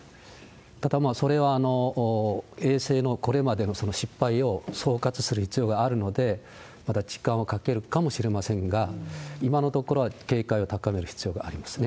ただ、それは衛星のこれまでの失敗を総括する必要があるので、まだ時間はかけるかもしれませんが、今のところは警戒を高める必要がありますね。